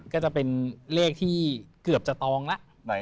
ก็จะเป็นเลขที่เกือบจะตองแล้ว